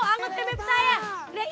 angkat kebeb saya